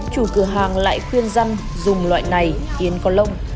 chủ cửa hàng lại khuyên dân dùng loại này yến có lông